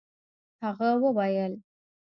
هغه وويل.